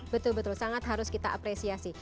betul betul sangat harus kita apresiasi